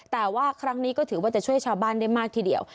แต่ว่าครั้งนี้ก็ถือว่าจะช่วยชาวบ้านได้มากทีเดียว